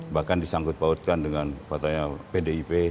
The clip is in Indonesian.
bahkan disangkut pautkan dengan faktanya pdip